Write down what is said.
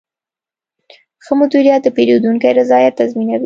ښه مدیریت د پیرودونکي رضایت تضمینوي.